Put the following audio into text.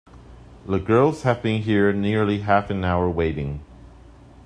The girls have been here nearly half an hour waiting.